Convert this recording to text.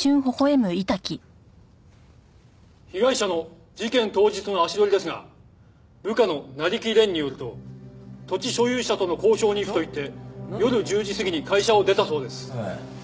被害者の事件当日の足取りですが部下の成木蓮によると土地所有者との交渉に行くと言って夜１０時過ぎに会社を出たそうです。